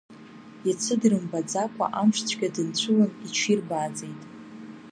Иацы дрымбаӡакәа амшцәгьа дынцәылан, иҽирбааӡеит.